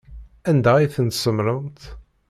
Anda ay ten-tsemmṛemt?